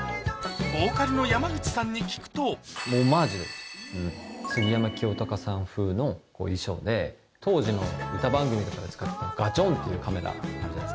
ボーカルのに聞くと杉山清貴さん風の衣装で当時の歌番組とかで使ったガチョンっていうカメラあるじゃないですか。